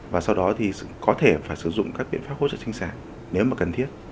và sau đó thì có thể phải sử dụng các biện pháp hỗ trợ sinh sản nếu mà cần thiết